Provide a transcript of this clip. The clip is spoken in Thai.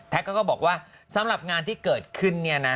ก็บอกว่าสำหรับงานที่เกิดขึ้นเนี่ยนะ